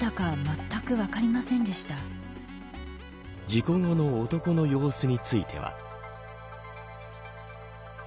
事故後の男の様子については。